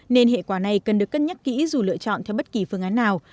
nên hệ quả này cần được cân nhắc kỹ dù lựa chọn theo bất kỳ phương án nào